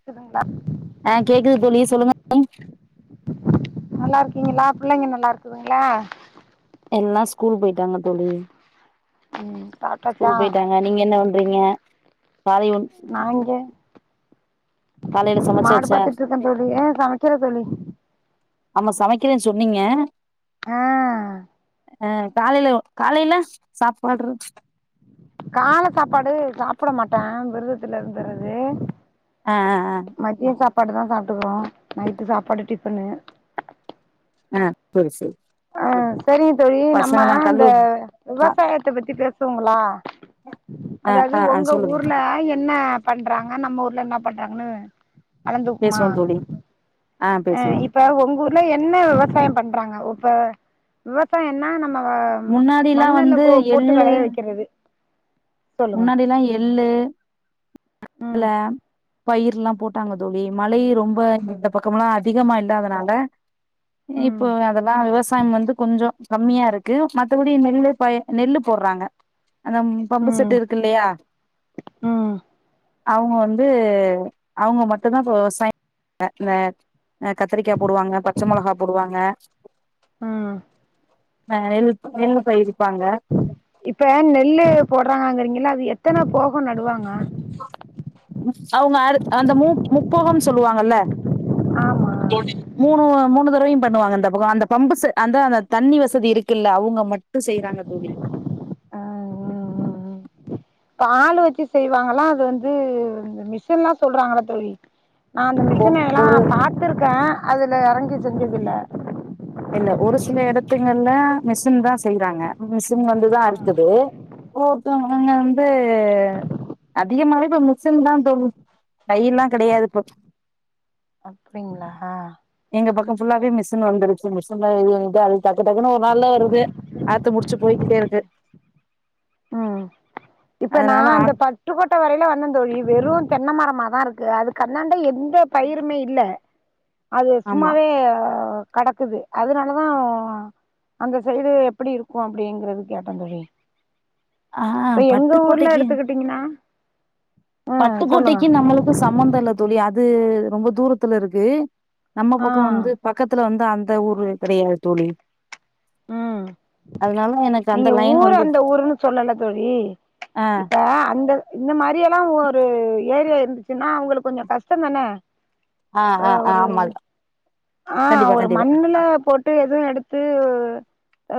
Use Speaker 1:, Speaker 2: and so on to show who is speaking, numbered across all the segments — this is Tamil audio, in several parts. Speaker 1: க்குதுங்ளா
Speaker 2: ஆ கேக்குது தோழி சொல்லுங்க
Speaker 1: நல்லாருக்கீங்களா? புள்ளைங்க நல்லாருக்குதுங்ளா?
Speaker 2: எல்லா ஸ்கூல் போயிட்டாங்க தோழி
Speaker 1: ம் சாப்ட்டாச்சா
Speaker 2: ஸ்கூல் போயிட்டாங்க நீங்க என்ன பண்றீங்க? காலை உண்
Speaker 1: நா இங்க
Speaker 2: காலையில
Speaker 1: மாடு
Speaker 2: சமைச்சாச்சா
Speaker 1: பாத்துட்ருக்கே தோழி ஆ சமைக்கிற தோழி
Speaker 2: ஆமா சமைக்கிறேன்னு சொன்னீங்க
Speaker 1: ஆ
Speaker 2: ஆ காலைல காலைல சாப்பாடுற
Speaker 1: கால சாப்பாடு சாப்பட மாட்டே விரதத்துல இருந்துர்றது
Speaker 2: ஆ ஆ ஆ
Speaker 1: மதியோ சாப்பாடுதா சாப் ட்ருக்குறோ நைட்டு சாப்பாடு டிஃபனு
Speaker 2: ஆ தோழி சொல்
Speaker 1: ஆ சரிங்க தோழி நம்ம இந்த
Speaker 2: ஆ
Speaker 1: விவசாயத்த பத்தி பேசு வோங்களா
Speaker 2: ஆ
Speaker 1: அதாவது
Speaker 2: ஆ ஆ
Speaker 1: ஒங்க
Speaker 2: சொல்லுங்க
Speaker 1: ஊர்ல என்ன பண் றாங்க நம்ம ஊர்ல என்ன பண்றாங்கன்னு கலந்துப்பமா
Speaker 2: பேசுவோ தோழி
Speaker 1: ஆ இப்ப உங்க ஊர்ல என்ன விவசாயோ பண் றாங்க இப்ப விவசாயன்னா ந ம்ம
Speaker 2: முன்னாடில்லா
Speaker 1: மண்ணுல
Speaker 2: வந்து
Speaker 1: போ போட்டு
Speaker 2: எள்ளு
Speaker 1: வெளைய வக்கிறது
Speaker 2: முன்னாடில்லா எள்ளு [inaudible]
Speaker 1: ம்
Speaker 2: கல்ல பயிர்லா போட்டாங்க தோழி மழை ரொம்ப இந்த பக்கமல்லா அதிகமா இல்லாதனால
Speaker 1: ம்
Speaker 2: இப்போ அதெல்லா விவசாயம் வந்து கொஞ்சோ கம்மியா இருக்கு மத்தபடி நெல்ல ப நெல்லு போடறாங்க அந்த ம் பம்பு செட் டு இருக்கில்லயா
Speaker 1: ம்
Speaker 2: அவங்க வந்து அவங்க மட்டுந்தா இப்போ விவசாயோ ங்க இந்த ஆ கத்திரிக்கா போடுவாங்க பச்ச மொளகா போடுவாங்க
Speaker 1: ம்
Speaker 2: அ இல் இல்ல தோழி
Speaker 1: இப்ப நெல்லு போடுறாங்கங்கிறீங்க ல்ல அது எத்தன போ
Speaker 2: ம் அவங்க அது அந்த மு முப்போகம்னு சொல்லுவாங்க இல்ல
Speaker 1: ஆமா
Speaker 2: மூணு மூணு தடவையும் பண்ணுவாங்க இந்த பக்கம் அந்த பம்பு செ அதான் அந்த தண்ணி வசதி இருக்குல்ல அவுங்க மட்டும் செய்யறாங்க தோழி
Speaker 1: ஆளு வெச்சு செய்வாங்களா அது வந்து மிஷின் லா சொல்றாங்கள தோழி நான் அந்த மிஷின எல்லா
Speaker 2: ஒரு
Speaker 1: பாத்திருக்கேன் அதுல எறங்கி செஞ்சதில்ல
Speaker 2: இல்ல ஒரு சில எடத்துங்கல்ல மிஷின்தா செய்யறாங்க மிஷின் வந்துதா அரைக்குது ஒவ்வொருத்தவங்க வயல்ல வந்து அதிகமாவே இப்ப மிஷின்தா தோழி கையெல்லா கெடையாது இப்போ
Speaker 1: அப்டிங்களா
Speaker 2: இந்த பக்கம் ஃபுல்லாவே மிஷின் வந்துருச் மிஷின்ல எண்ணட்டு அது டக்கு டக்குன்னு ஒரு நாள்ள ஏருது ஆத்து முடிச்சு போய்கிட்டே இருக்கு
Speaker 1: ம் இப்ப
Speaker 2: அதனால
Speaker 1: நான்
Speaker 2: ஆ
Speaker 1: அந்த பட்டுக்கோட்டை வரையிலும் வந்தேன் தோழி வெறும் தென்ன மரமா தான் இருக்கு அதுக்கு அந்தான்ட ப பயிறுமே இல்ல அது
Speaker 2: ஆமா
Speaker 1: சும்மாவே ஆ கடக்குது அதனாலதான் அந்த சைடு எப்படி இருக்கும் அப்படிங்கிறது கேட்டேன் தோழி
Speaker 2: ஆ
Speaker 1: இப்ப எங்க ஊர்ல
Speaker 2: பட்டுக்கோட்டைக்கு
Speaker 1: எடுத்துக்கிட்டீங்கன்னா ம் சொல்லுங்க
Speaker 2: பட்டுக்கோட்டைக்கு நம்மளுக்கும் சம்மந்தம் இல்லை தோழி அ து ரொம்ப தூரத்துல இருக்கு நம்ம
Speaker 1: ஆ
Speaker 2: பக்கம் வந்து பக்கத்துல வந்து அந் எந்ந ஊரு தெரியாது தோழி
Speaker 1: ம்
Speaker 2: அதனால எனக்கு அந்த
Speaker 1: நீங்க
Speaker 2: லைன்
Speaker 1: ஊர்
Speaker 2: வந்து
Speaker 1: அந்த ஊருன்னு சொல்லல தோழி
Speaker 2: ஆ
Speaker 1: இப்ப அந்த இந்த மாரி எல்லாம் ஒரு ஏரியா இருந்துச்சுன்னா அவுங்களுக்கு கொஞ்சம் கஷ்டம் தானே ஆ ஒரு ஆ
Speaker 2: கண்டிப்பா
Speaker 1: ஒரு
Speaker 2: கண்டிப்பா
Speaker 1: மண்ணுல போட்டு எதுவும் எடுத்து அ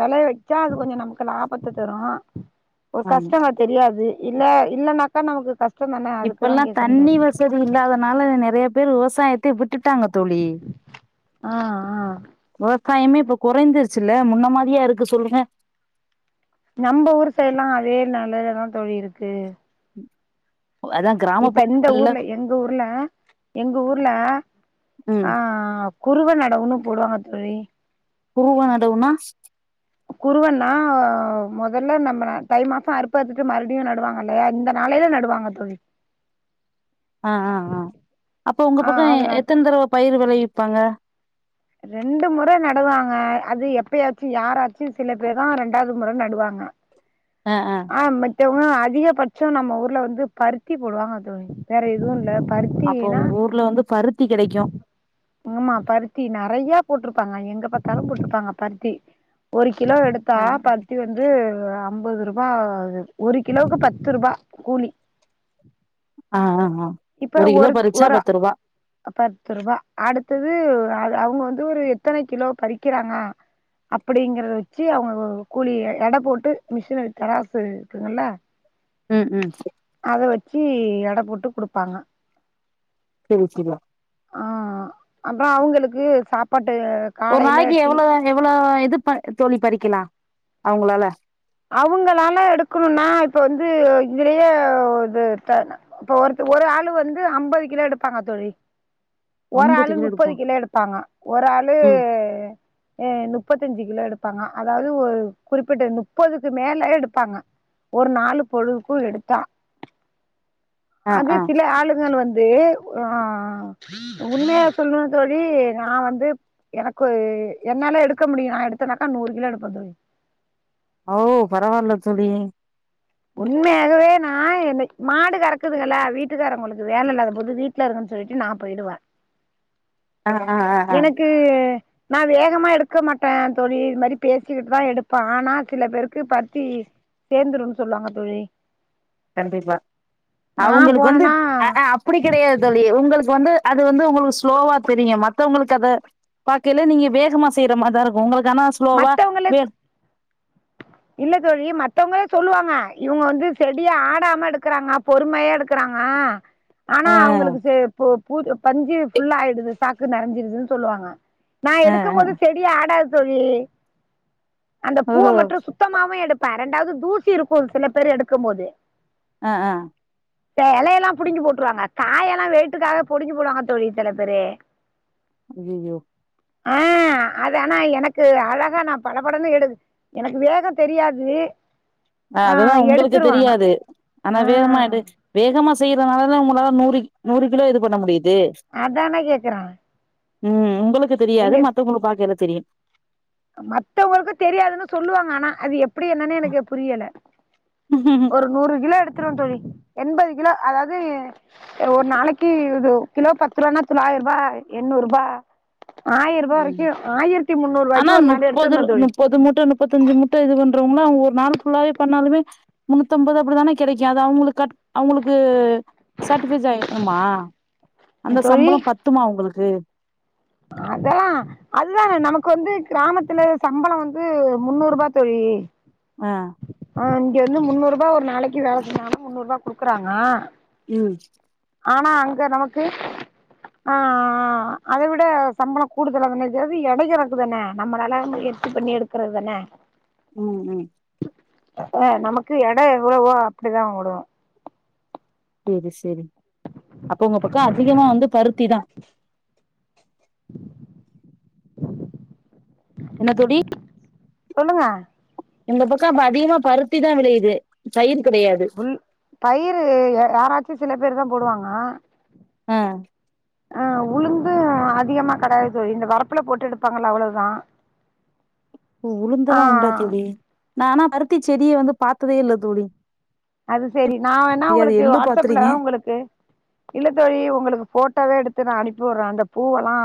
Speaker 1: வெலைய வச்சா அது கொஞ்சம் நமக்கு லாபத்தை தரும் ஒரு
Speaker 2: ஆமா
Speaker 1: கஷ்டமா தெரியாது இல்ல இல்லனாக்கா நமக்கு கஷ்
Speaker 2: இப்பெல்லாம் தண்ணி வசதி இல்லாதனால நெறைய விவசாயத்தயே விட் விட்டுட்டாங்க தோழி
Speaker 1: ஆ ஆ
Speaker 2: ஆ காயமே இப்ப குறைந்துருச்சுல முன்ன மாரியா இருக்கு சொல்லுங்க.
Speaker 1: நம்ம ஊர் சைடு எல்லாம் அதே நல்லதா தான் தோழி இருக்கு
Speaker 2: ம்
Speaker 1: இப்ப இந்த ஊர்ல எங்க ஊர்ல எங்க ஊர்ல
Speaker 2: ம்
Speaker 1: ஆ குருவ நடவுன்னு போடுவாங்க தோழி
Speaker 2: குருவனடவுனா
Speaker 1: குருவன்னா முதல்ல நம்ம தை மாசம் அறுப்பறுத்துட்டு மறுபடியும் நடுவாங்கல இந்த நாளையில நடுவாங்க தோழி
Speaker 2: ஆ ஆ ஆ அப்போ உங்க
Speaker 1: ஆ
Speaker 2: பக்கோ
Speaker 1: அது
Speaker 2: எத்தனை தர்வ பயிரு வெ போய் விப்பாங்க
Speaker 1: ரெண்டு முற நடுவாங்க அது எப்பயாச்சு யாராச்சு சில பேர் தா ரெண்டாவது முற நடுவாங்க ஆ மெட்டிவ் [unintelligible] அதிகபட்சோ நம்ம ஊர்ல வந்து பருத்தி போடுவாங்க தோழி வேற எதுவு இல்ல பருத்தி
Speaker 2: அப்போ
Speaker 1: னா
Speaker 2: உங்க ஊர்ல வந்து பருத்தி கெடைக்கு
Speaker 1: ஆமா பருத்தி நறையப் போட்ருப்பாங்க எங்க பாத்தாலும் போட்ருப்பாங்க பருத்தி ஒரு கி கிலோ எடுத்தா
Speaker 2: ஆ
Speaker 1: பருத்தி வந்து ஒரு ஐம்பது ரூ பா ஒரு கிலோவுக்கு பத்து ரூபா கூலி
Speaker 2: ஆ ஆ ஆ
Speaker 1: இப்ப
Speaker 2: கிலோ
Speaker 1: ஒரு
Speaker 2: பறிச்சா
Speaker 1: ஒரா
Speaker 2: பத்து ரூபா
Speaker 1: பத்துரூவா அடுத்தது அ அவுங்க வந்து ஒரு எத்தனை கிலோ பறிக்கிறாங்க அப்டிங்கறத வச்சு அவுங்க ஒ ஒ கூலி எட போட்டு மிஷினரி தராசு இருக்குங்கல்ல
Speaker 2: ம் ம் செரி
Speaker 1: சி எட போட்டு குடுப்பாங்க
Speaker 2: செரி செரியா
Speaker 1: ஆ அப்றோ அவுங்களுக்கு சாப்பாட்
Speaker 2: ஒரு நாளாக்கி எவ்வளோ அண்ட் எவ்வளோ இத் த்து ப தோழி பறிக்கலா அவுங்களால
Speaker 1: அவுங்களால எடுக்குணுனா இப்ப வந்து இதுலேயே ஒ இது இப்ப ந ஒரு ஒரு ஆளு வந்து ஐம்பது கிலோ எடுப்பாங்க தோழி ஒரு
Speaker 2: அம்பது
Speaker 1: ஆளு நுப்பது
Speaker 2: எடுப்போ
Speaker 1: கிலோ எடுப்பாங்க ஒரு ஆளு
Speaker 2: ம்
Speaker 1: ஏ நுப் முப்பத்தஞ்சு கிலோ எடுப்பாங்க அதாவது ஒரு குறிப்பிட்ட இன்னு முப்பதுக்கு மேல எடுப்பாங்க ஒரு நாலு பொழுதுக்கும் எடுத்தா
Speaker 2: ஆ
Speaker 1: அது
Speaker 2: ஆ
Speaker 1: சில ஆளுகள் வந்து உ ஆ உண்மையா சொல்னுன் தோழி நா வந்துப் எனக்கு என்னால எடுக்க முடியும் நா எடுத்தனாக்கா நூறு கிலோ எடுப்பந் தோழி
Speaker 2: அவ் பரவால்ல தோழி
Speaker 1: உண்மையாகவே நா இன்னக் மாடு கறக்குதுகல்ல வீட்டுக்கார அவுங்களுக்கு வேல இல்லாத போது வீட்ல இருக்கன்னு சொல்லிட்டு நா போய்டுவ
Speaker 2: ஆ ஆ ஆ ஆ
Speaker 1: எனக்கு நா வேகமா எடுக்க மாட்ட தோழி இது மாரி பேசிக்கிட்டு தா எடுப்ப ஆனா சில பேருக்கு பத்தி சேந்துரும்னு சொல்லுவாங்க தோழி நா
Speaker 2: அவுங்களுக்கு வந்து
Speaker 1: போனேன்னா
Speaker 2: அப்டி கெடையாது தோழி உங்ளுக்கு வந்து அது வந்து உங்ளுக்கு ஸ்லோவா தெரியும் மத்தவங்களுக் அத பாக்கில நீங்க வேகமா செய்ற மார்தா இருக்கும் உங்ளுக் ரமா ஸ்லோவா
Speaker 1: மத்தவங்கள
Speaker 2: வேர்
Speaker 1: இல்ல தோழி மத்தவங்களே சொல்லுவாங்க இவுங்க வந்து செடியா ஆடாம எடுக்கறாங்க பொறுமையா எடுக்கறாங்க ஆனா
Speaker 2: ஆ
Speaker 1: அவுங்களுக்கு செ பூ பூச்சி பஞ்சு ஃபுல்லா ஆயிடுது சாக்கு நெறஞ்சுருதுன் சொல்லுவாங்க நா
Speaker 2: ஆ
Speaker 1: எடுக்கும்
Speaker 2: ஆ
Speaker 1: போது செடி ஆடாது தோழி அந்த பூவ
Speaker 2: ஓஹோ
Speaker 1: மட் ற்று சுத்தமாவே எடப் ரெண்டாவது தூசி இருக்கு சில பேரு எடுக்கும் போது
Speaker 2: ஆ ஆ
Speaker 1: ந்த எலையெல்லா புடுங்கி போட்ருவாங்க காய் எல்லா வெயிட்டுக்காக புடுங்கி போடுவாங்க தோழி சில பேரு
Speaker 2: ஐயையோ
Speaker 1: ஆ அது ஆனா எனக்கு அழகா நா பட படனு எடுக் எனக்கு வேகோ தெரியாது
Speaker 2: ஆ அதுதா உங்களுக்கு
Speaker 1: எடுத்துருவே ஆனா
Speaker 2: தெரியாது ஆனா
Speaker 1: ஆ
Speaker 2: வேகமா எடு வேகமா செய் அதனாலதா உங்களால நூறி நூறு கிலோ இது பண்ண முடியிது
Speaker 1: அதான கேக்குறா
Speaker 2: ம் உங்களுக் கு தெரியாது மத்தவங்கள பாக்கீல தெரியும்
Speaker 1: மத்தவங்களுக்கு தெரியாதுன்னு சொல்லுவாங்க ஆனா அது எப் எப்டி என்னன்னே எனக்கு புரியல ஒரு நூறு கிலோ எடுத்துருவந் தோழி எண்பது கிலோ அதாவது ஒரு நாளைக்கு இது கிலோ பத்து ரூவானா தொள்ளாயிரூபா எண்ணூரூபா ஆயிர்ரூவா வரைக்கு ஆயிரத்தி முன்னூறு பாய்க்
Speaker 2: மா முப்பது முப்பது முட்ட முப்பத்தஞ்சு முட்ட இது பண்ற இல்ல அவங்க ஒரு நாள் ஃபுல்லாவே பண்ணாலுமே முன்னூத்தம்பது அப்புடிதான கெடைக்கு அது அவங்களுக்கு கட் அவங்களுக்கு சேட்பேசாய் ஆமா அந்த சம்பளோ பத்துமா உங்களுக் ரே
Speaker 1: அதல்லா அதுதான நமக்கு வந்து கிராமத்துல சம்பளோ வந்து முன்னூரூபா தோழி
Speaker 2: அ
Speaker 1: ஆ இங்க வந்து முன்னூரூபா ஒரு நாளைக்கு வேல செஞ்சாங்கனா முந்நூரூபா குடுக்குறாங்க
Speaker 2: ம்
Speaker 1: ஆனா அங்க நமக்கு ஆ ஆ அத விட் டு சம்பளோ கூடுதலாதான இதாவது எடை கணக்கு தான நம்மளால எறச்சு பண்ணி எடுக்குறது தான
Speaker 2: ம் ம்
Speaker 1: ஆ நமக்கு எட எவ்ளவோ அப்புடிதா போடுவாங்
Speaker 2: சேரி சேரி அப்ப உங்க பக்கோ அதிகமா வந்து பருத்திதா என்ன தோடி
Speaker 1: சொலுங்க
Speaker 2: இந்த பக்க அப்ப அதிகமா பருத்தி தா வெளையுது சைடு
Speaker 1: புஃல் பயிர் யாராச்சியு சில பேர் தா போடுவாங்க
Speaker 2: அ
Speaker 1: அஉளுந்து அதிகமா கிடயாது இந்த வரபுல போட்டு எடுபாங்கள அவளவுதா
Speaker 2: ஓ உளுந்தலா உண்டா தோழி நானா பருப் த்தி செடியே வந்து பாத்ததே யில்ல தோழி
Speaker 1: அது செரி நா வேணா
Speaker 2: அது
Speaker 1: உங்களுகு
Speaker 2: எள்ளு
Speaker 1: வாட்ஸ்அப்ல
Speaker 2: பாத்திருக்கே
Speaker 1: உங்களுக்கு இல்லத்தோழி உங்களுக்கு போட்டாவே எடுது டுத்து நா அனுப்பி விடுறே அந்த பூவல்லா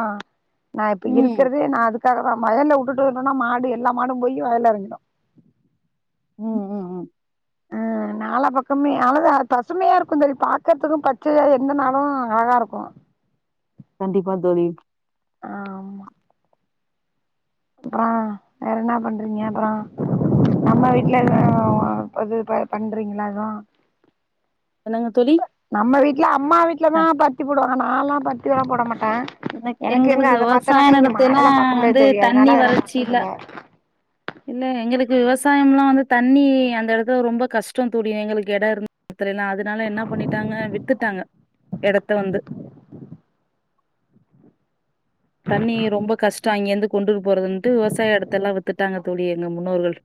Speaker 1: நா யிப்ப
Speaker 2: ம்
Speaker 1: இருக்கறதே நா அதுக் ட்க வயல வுட்டுட்டனா மாடு எல்லா மாடு போயி வயல எறங்கிடு
Speaker 2: ம் ம் ம்
Speaker 1: நாலா பகமே அளத பசுமையாயிருக்கு தோழி பாக்குறதுக்கு பச்சைய எந்த நாளு அழகாருக்கு
Speaker 2: கண்டிபா தோழி [inaudible]
Speaker 1: அ வேறன்ன பண்றிங்க அப்றோ நம்ம வீட்டுல எஏ பது பண்றிங்களா எது
Speaker 2: என்னங்க தோழி
Speaker 1: நம்ம வீட்டுல அம்மா வீட்டுலதா பச்சி போடுவாங்க நான்லா பாத் இதுலா போடமாட் அ
Speaker 2: எனக்
Speaker 1: எனக்கு எங்க
Speaker 2: எங்களுக்கு
Speaker 1: அத
Speaker 2: விவசாய
Speaker 1: பாத்னாகா இங்க
Speaker 2: நிலத்தெல்லா
Speaker 1: மாடெலாபாக்க முடியாது
Speaker 2: வந்து
Speaker 1: தோழி
Speaker 2: தண்ணி
Speaker 1: அதனால அதெலா
Speaker 2: வறட்சி இல்ல
Speaker 1: பாக்குறதில
Speaker 2: இல்ல எங்களுக்கு விவசாயமல்லா வந்து தண்ணி அந்த எடத்துல ரொம்ப கஷ்டோ தோழி எங்களுகு எடம் இருந்த இத்துலா அதனால என்ன பணிட்டாங்க வித்துடாங்க எடத்த வந்து தண்ணி ரொம்ப கஷ்டோ அங்கிருந்து கொண்டு போறட்டு விவசாய எடத்தயில்லா வித்துட் ட்டாங்க தோழி எங்க முன்னோர்கள்